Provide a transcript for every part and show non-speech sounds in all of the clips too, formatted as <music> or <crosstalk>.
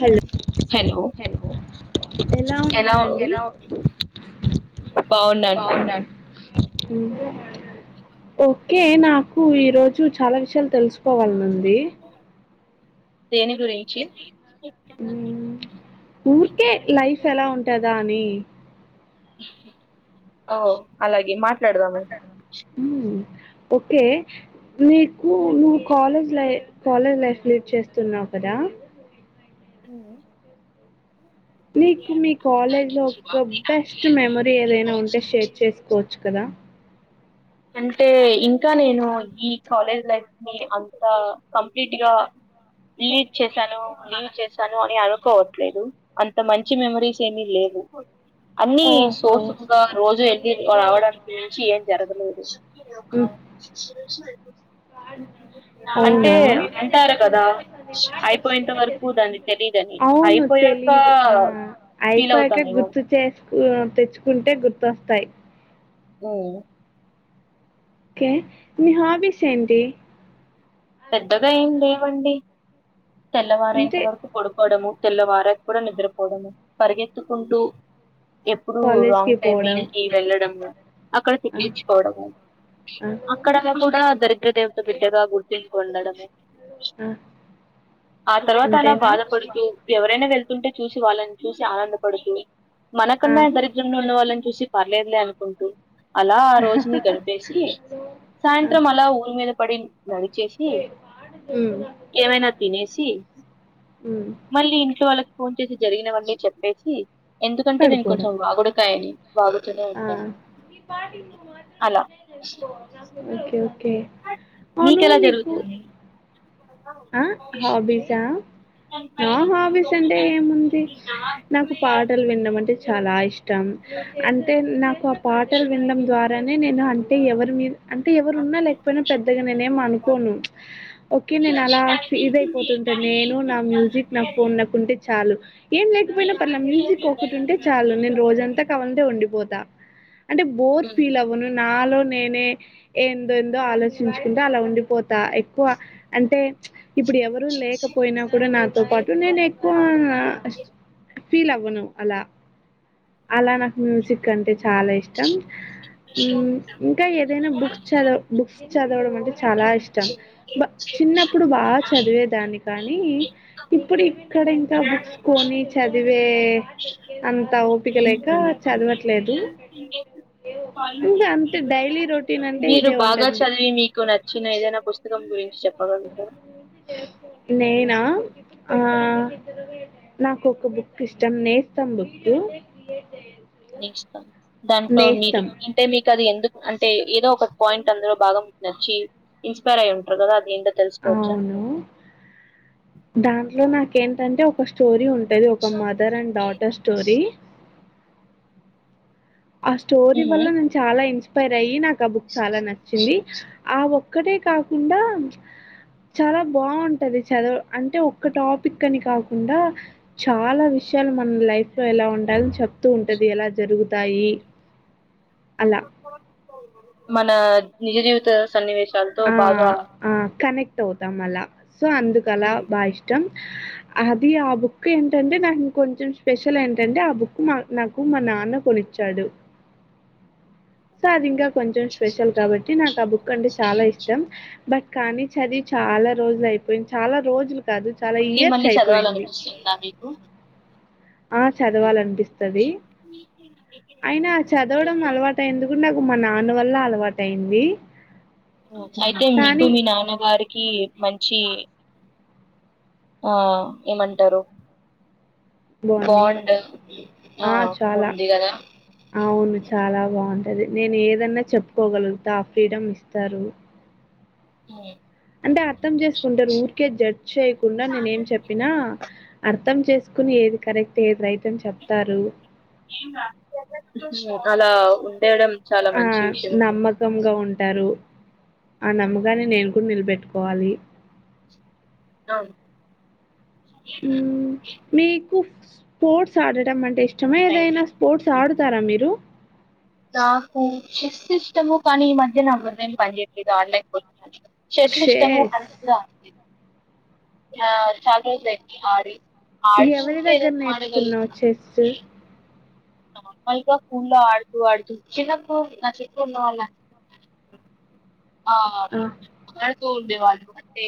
Hello hello ఎలా ఉన్నారండి బావున్నా ఓకే నాకు ఈ రోజు చాలా విషయాలు తెలుసుకోవాలనీ ఉంది దేని గుయించి మ్మ్. ఊరికే లైఫ్ ఎలా ఉంటదా అని ఓ అలాగే మా మాట్లాడదాం ఓకే నీకు నువ్వు కాలేజ్ లై్ కాలేజ్ లైఫ్ లీడ్ చేస్తున్నావు కదా హ్మ్మ్ నీకు మీ కాలేజ్ లో ఒక బెస్ట్ మెమరీ ఏదైనా ఉంటే షేర్ చేసుకోవచ్చు కదా అంటే ఇంకా నేను ఈ కాలేజ్ లైఫ్ ని అంత కంప్లీట్ గా లీడ్ చేశాను లీవ్ చేశాను అని అనుకోవట్లేదు అంత మంచి మెమరీస్ ఏమీ లేవు అన్నిీ సో ఓహో సో గా రోజు వెళ్ళి రావడానికి మించి ఉండదు మ్మ్. అంటే అవునా అంటారు కదా అయిపోయేంత వరకు దాని తెలిదని అవును అయిపోయాక తెలీదు ఆ ఫీల్ అయిపోయాక అవుతానుో గుర్తు చేసుకు తెచ్చుకుంటే గుర్తొస్తాయి అవు ఓకే మీ హాబీస్ ఏంటి పెద్దగా ఏం లేమండి తెల్లవార ఇంత అంటే వరకు పడుకోవడము తెల్లవార కూడా నిద్రపోవడము పరిగెత్తుకుంటూ ఎప్పుడు కాలేజ్కి రాంగ్ పోవడం టైమింగ్ కి వెళ్ళడము అక్కడ ఆ తిట్కిచ్చుకోవడము ఆ అక్కడ కూడా దరి దేవత పిట్టల గుడ్ ఇట్కుండడమ ఆ ఆ తర్వాత అలా అంతేనా బాధపడుతూ ఎవరైనా వెళ్తుంటే చూసి వాళ్ళని చూసి ఆనందపడుతూ ఆ మనకన్నా దరిద్రంగా ఉన్న వాళ్ళని చూసి పర్లేదులే అనుకుంటూ అలా ఆ రోజుని కనిపేసి ఆ సాయంత్రం అలా ఊరి మీద పడి నడిచేసి ఉమ్ ఏమైనా తినేసి ఉమ్ మళ్ళీ ఇంట్లో వాళ్ళ ఫోన్ చేసి జరిగినవన్నీ చెప్పేసి ఎందుకంటే నేను కొంచెం పడుకోవడం వాగుడకాయని బాగు ఆ అలా ఓకే ఓకే కె అవును మీకెలా నికు జరుగుతుంది ఆ హాబీసా నా హాబీస్ అంటే ఏముంది నాకు పాటలు వినడం అంటే చాలా ఇష్టం అంటే నాకు ఆ పాటలు వినడం ద్వారా కానీ నేను అంటే ఎవరి మీ అంటే ఎవరున్నా లేకపోయినా పెద్దగా నేనే ఏమ అనుకోను ఓకే నేను ఇదయిపోతుంటంది నేను నా మ్యూజిక్ నా ఫోన్ నాకు ఉంటే చాలు ఏం లేకపోయినా పర్లా మ్యూజక్ ఒకటి ఉంటే చాలు నేను రోజంతా కవాలంటే ఉండిపోత తా అంటే బోర్ ఉమ్. ఫీల్ అవ్వను నాలో నేనే ఏందోందో ఆలోచించుకుంటూ అలా ఉండిపోతా ఎక్కువ అంటే ఇప్పుడు ఎవరు లేకపోయినా కూడా నాతో పాటు నేను ఎక్కువ ఫీల్ అవ్వను అలా అలా నాకు మ్యూజిక్ కంటే చాలా ఇష్టం ఇంకా ఏదైనా బుక్స్ చదవ బుక్స్ చదవడం అంటే చాలా ఇష్టం బ చిన్న ఇప్పుడు బా చదివేదాన్ని కానీ ఇప్పుడు ఇక్కడ ఇంకా బుక్స్ కొని చదివే అంత ఓపికలేక చదవట్లేదు ఇంకా అంతే డైలీ రొటీన్ అంటే మీరు ఇదే బాగా ఉంటుంది చదివి మీకు నచ్చిన ఏదైనా పుస్తకం గురించి చెప్పగలుగుతారా నేనా ఆ నాకు ఒక్ బుక్ ఇష్టమ్ నేస్తమ్ బుక్కు దాంటో మీరు అంటే మీకు అది ఎందు అంటే ఏదో ఒక పాయిన్ట్ అందులో బాగమ్ నచ్చి ఇన్సపేర్ అయుంటారు కదా ఏంటో తెలుస్కోవచ్చా అవును. దాంట్లో నాకేంటంటే ఒక స్టోరీ ఉం టది ఒక మదర్ అండ్ డాటర్ స్టోరీ ఆ స్టోరీ వల్ల మ్మ్. నేను చాలా ఇన్స్ పదై నా క బుక్ చాలా నచ్చింది ఆ ఒ ఒక్కటే కాకుండా చాలా బాన్టది చదువు అంటే ఒక్క టాపిక్ అని కాకుండా చాలా విషయాలు మన లైఫ్ లో ఎలా ఉండాలని చెప్తూ ఉంటది ఎలా జరుగు తయి మన నిజ జీవిత సన్నివేశాలతో బాగా తొతాం మల్ల సో అందుకు అలా బా ఇష్టం అది ఆ బుక్ ఏంటంటే నాకింకొంచెం స్పెషల్ ఏంటంటే ఆ బుక్ మా నాకు మా నాన్న కొనిచ్చాడు సో అది ఇంకా కొంచెం స్పెషల్ కాబట్టి నాకు ఆ బుక్ అంటే చాలా ఇష్టం బట్ కానీ చదివి చాలా రోజులు అయిపోయింది చాలా రోజులు కాదు చాలా మళ్ళీ ఇయర్స్ మళ్ళీ అయిపోయింది. చదవాలనిపిస్తుందా మీకు ఆ చదవాలనిపిస్తది అయినా చదవడం అలవాటెందుకు ఉండకు మా నాన్న వల్ల అలవాటైన్ది అయితే మీకు మీ నాన్నగారికి మంచి ఆ ఏమంటారు బావుండి బాండ్ ఆ చాలా ఉంది కదా అవును చాలా బావుం అదే నేను ఏదన్నా చెప్పుకోగలుగుతా ఆ ఫ్రీడమ్ ఇస్తారు అ అంటే అర్థం చేసుకుంటారు ఊరికే జడ్జ్ చెయకుండా నేనే ఏం చెప్పినా అర్ ర్థం చేసుకుని ఏది కరెక్ట్ ఏది రైట్ అని చెప్తారు అలా <unintelligible> చాలా ఆ మంచి విషయం అవును. నమ్మకంగా ఉం టారు ఆ నమ్మకాన్ని నేను కూడా నిలబెట్టుకోవాలి అవును <unintelligible> హ్మ్. <unintelligible> స్పోర్ట్స్ ఆడటం అంటే ఇష్ <inaudible> ఏదైనా స్పోర్ట్స్ ఆడుతారా మీరు నాకు చెస్ ఇష్టము కానీ ఈ మధ్య నా బుర్రేం పని చేేయలేదు ఆడలేక <inaudible> చెట్లిష్టము చెస్. ఆ చాల రోజులైంది ఆడి ఎవరి దగ్గర నేర్చుకున్నావు చెస్ నార్మల్గా స్కూల్ లో ఆడుతూ ఆడుతూ చిన్నప్పు నా చిన్నప్పు <unintelligible> ఆ <inaudible> ఉంది వాళ్ళకుఅంటే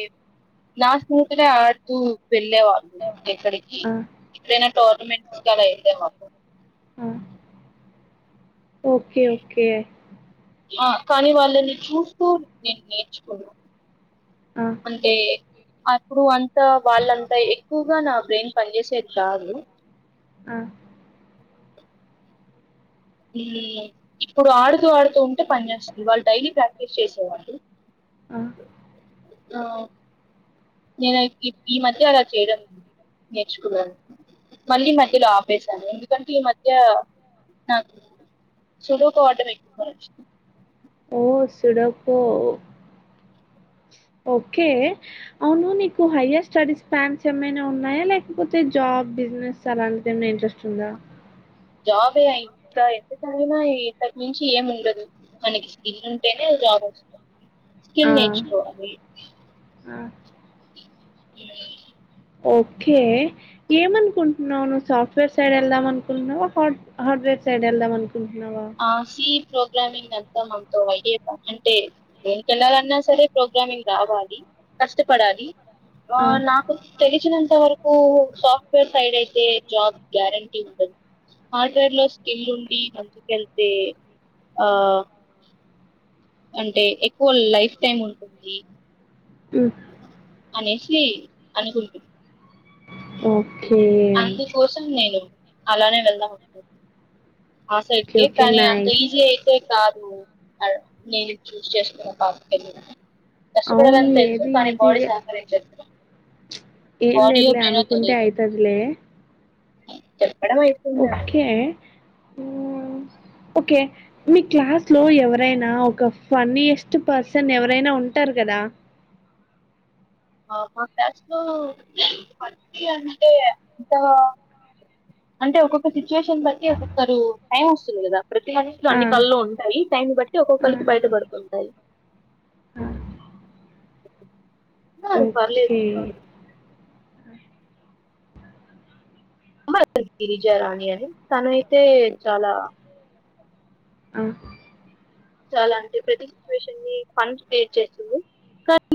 క్లాస్ పూర్తిగా ఆడుతూ వెళ్ళేవాళ్ళు ఎక్కడికి ఆ! ఎక్కడైనా టోర్నమెంట్స్ కి అలా వెళ్ళేవాళ్ళు ఆ! ఓకే ఓకే ఆ కానీ వాళ్ళని చూస్తూ నేను నేర్చుకున్నా ఆ! అంటే అప్పుడు అం తే వాళ్ళంతా ఎక్కువగా నా ఏం పని చేసేది కాదు ఆ ఇప్పుడు ఆడుతూ ఆడుతూ ఉంటే పని చేేస్తుంది వాళ్ళు డైలీ ప్రాక్టీస్ చేసేవాళ్ళు ఆ ఆ నేను ఈ మధ్య అలా చేయడం నేర్చుకున్నాను మళ్ళీ మధ్యలో ఆపేశాను ఎందుకంటే ఈ మధ్య నాకు సుడోకు ఆడటం ఎక్కువ నచ్చింది ఓ సడొకో ఓకే అవును నీకు హయ్యర్ స్టడీస్ ప్లాన్స్ ఏమైనా ఉన్నాయా లేకపోతే జాబ్ బిజినెస్ అలాంటిది ఏమైనా ఇంట్రెస్ట్ ఉందా జాబే అ ఇంకా ఎంత చదివినా ఇంతకి మించి ఏమి ఉండదు మనకి స్కిల్ ఉంటేనే జాబ్ వస్తు ఆ స్కిల్ నేర్చుకోవాలి ఆ <unintelligible> ఓకే ఏమనుకుంటున్నావు నువ్వు సాఫ్ట్వేర్ సైడ్ వెళ్దాం అనుకుంటున్నావా హ హార్డ్వేర్ సైడ్ వెళ్దాం అనుకున్ ఆ సీ పో ప్రోగ్రామింగ్ అంతా మంతో అయ్యే పని అంటే దేనికికెళ్ళాలన్నా సరే ప్రోగ్రామింగ్ రావాలి కష్టపడాలి ఆ నాకు తెలిచినంత ఇంత వరకు సాఫ్ట్వేర్ సైడ్ అయితే జాబ్ గ్యారంటీ ఉంటుంది హార్ట్వేర్ లో స్కిల్ ఉండి మంచి వెళ్తే ఆ అంటే ఎక్కువ లైఫ్ టైమ్ ఉంటుంది ఉ అనేసి అనుకుంటుంది ఓకే అలానే వెళ్దాం ఆ సైడ్ ఓకే కే ఓకే కానీ అంత నైస్ ఈజి అయితే కా మ్ అదే నేను చూసేచేసుకు అవును కష్టపడాలని ఏది తెలుసు కానీ బాడీ ఈజీగా సహకరించ ఏం లేదులే అనుకుంటె అయితది లేవే చె <unintelligible> ఓకే మీ క్లాస్ లో ఎవరైనా ఒక ఫన్నయస్ట్ పర్సన్ ఎవరైనా ఉంటారు కదా మా క్లాస్ లో అంటే అంత అంటే ఒక్కొక్క సిచ్యువేషన్ బట్టి ఒక్కొక్కరు టైం వస్తుంది కదా ప్రతి వానికి ఆ! అన్ని కళలు ఉంటాయి టైం ను బట్టి ఆ! ఒక్కొక్కళకి బయటపడుతుంటాయి ఆ అన్నారు పర్లేదు ఓకే అమ్మాయి గిరిజ రాణ అని తన అయితే చాలా ఆ చాలా అంటే ప్రతి సిచ్యువేషన్ ని ఫన్ క్రియేట్ చేస్తుంది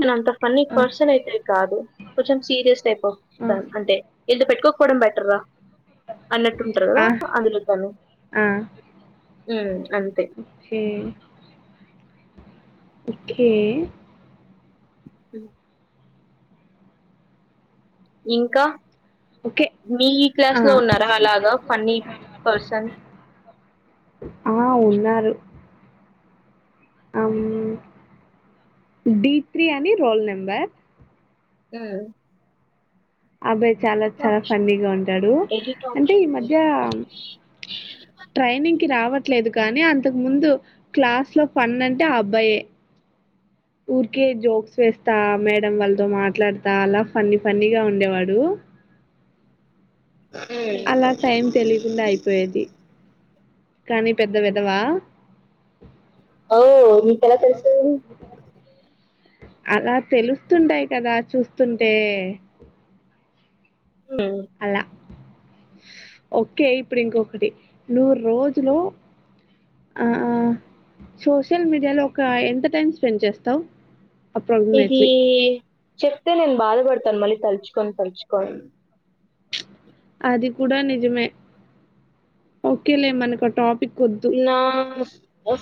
నేను అంత ఫన్నీ ఆ! పర్సన్ అయితే కాదు కొంచెం సీరియస్ టైప్ ఆఫ్ ఆ! అంటే ఎంత పెట్టుకో కోవడం బెటర్ రా అన్నట్టుంటారు కదా ఆ! అందులో తనుమ్ ఆ! అంతే ఓకే. ఒకే అ ఇంకా ఓకే మీ ఈ ఆ క్లాస్ లో ఉన్నారా అలాగా ఫన్నీ పర్సన్ ఆ ఉన్నారు ఆమ్ డి త్రీ అని రోల్ నెంబర్ ఉ అబ్బాయి చాలా చాలా ఫన్నీగా ఉంటాడు ఎడిట్ అంటే ఈ మధ్య ట్రైనింగ్కిి రావట్ లేదు కానీ అంతకు ముందు క్లాస్ లో ఫన్ అంటే ఆ అబ్బాయే ఊరికే జోక్స్ వేస్తా మేడం వాళ్ళతో మాట్లాడతా అలా ఫన్న ఫన్నీగా ఉండేవాడు ఆప్షన్ అలా టైం తెలియకుండా అయిపోయేది కానీ పెద్ద వెదవా ఓ మీకు ఎలా తెలుసు అలా తెలుస్తుంటాయి కదా చూస్తుంటే హ్మ్. అలా ఓకే ఇప్పుడు ఇంకొకటి నువ్వు రోజులు ఆ సోషల్ మీడియాలో ఒక ఎంత టైం స్పెండ్ చేస్తావు ఇది అప్రాక్సిమేట్లీ చెప్తే నేను బాధపడతాను మళ్ళీ తలుచుకొని తలుచుకోని అది కూడా నిజమే ఓకేలే మనకు ఆ టాప్ నా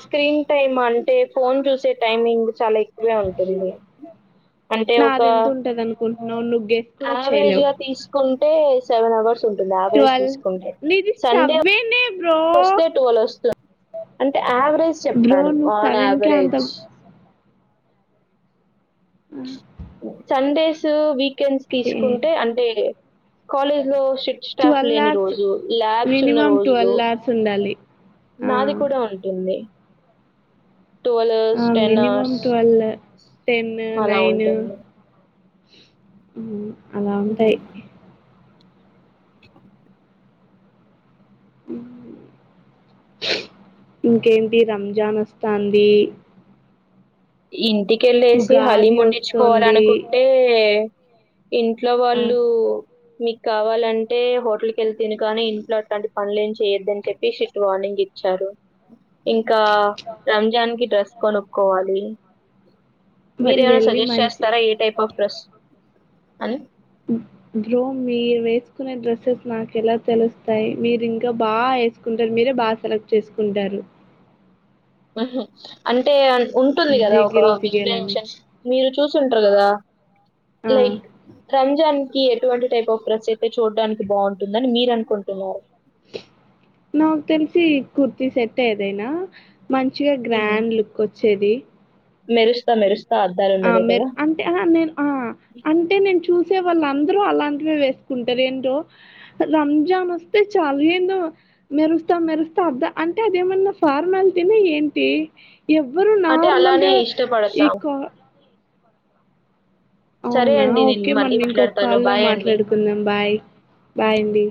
స్క్రీన్ టైమ్ అం అ ఫోన్ చూసే టైమింగ్ చాలా ఎక్ ఎక్కువే ఉంటుంది అంటే ఒక నాలుగు యావరేజ్ గా తీసుకుంటే సెవెన్ అవర్స్ ఉంటుందియావరేజ్ ట్వెల్వ్ తీసుకుంటే నీది సండే సెవెనే బ్రో వస్తే టువల్ వస్తుంది అంటే యావరేజ్ బ్రో చెప్తాను నువ్వు ఆన్ సెవెన్ కే అంత యావరేజ్ సండేస్ మూవీ ెన్స్ ఓకే తీసుకుంటే అంటే కాలేజ్ లో స్ట్ స్టాఫ్ ట్వెల్వ్ లేని అవర్స్ రోజు ల్యాబ్స్ ఉన్న మినిమం రోజులు ట్వెల్వ్ అవర్స్ ఉండాలి ఆ నాది కూడా ఉంటుంది అవర్స్, ఆ మనిమం అవర్స్ ట్వల్ టెన్ అలా నైన్ ఉంటుంది. మ్ అలా ఉంటాయి హ్మ్. ఇంకేంటి రంజాన్ వస్తంది ఇంటికి క్కెళ్ళేసి హలీ ఉగాది మొండించుకోవాల వస్తుంది అనుకుంటే ఇంట్లో ఆ వాళ్ళు మీకు కావాలంటే హోటల్కి వెళ్తిన కానీ ఇంట్లో అట్లాంటి పనులు ఏమి చేయొద్దని చెప్పి ఇట్ వార్నింగ్ ఇచ్చారు ఇంకా రంజాన్ కి డ్రెస్ కొనుక్కోవాలి మరి మీరేమైనా వెళ్ళి సజెస్ట్ మంచి చేస్తారా ఏ టైప్ ఆఫ్ డ్రస్ అంతే బ్రో మీరు వేసుకునే డ్రెస్సెస్ నాకు ఎలా తెలుస్తాయి మీరు ఇంకా బాగా వేసుకుంటారు మీరే బాగా సెలెక్ట్ చేసుకుంటారు అంటే ఉంటుంది కదా ఒక జిగేల్ జిగేల్ అని విజషన్ మీరు చూసు చెప్పరు కద ఆ లైక్ రంజన్ ఎటువంటి టైప్ ఆఫ్ డ్రస్ అయితే చూడానికి బాగుంటుందని మీరు అనుకుంటున్నారు నాక్ తెల్సి కుర్తి సెట్ ఏదైనా మంచిగా గ్రాండ్ లుక్ వో చేది మెరుస్త మెరుస్ అంతే ఆహా మీరు ఆ అంటే నేను చూస్ చూసే వాళ్ళు అందరూ అలాంటివి వేసుకుంటారు ఏంటో రంజాన్ వస్తే చాలు ఏందో మెరుస్తా మెరుస్తా అబ్బే అంటే అదేమన్నా ఫార్మాలిటీనే ఏంటి ఎవ్వరు అంటే అలానే నార్మల్గా ఇష్టపడతాం ఈకా సరే అవునా అండి నేను ఓకే మళ్ళీ మనం ఇంకొక మాట్లాడతాను కాల్లో బాయ్ అండి మాట్లాడుకుందాం బాయ్ బాయ్ అండి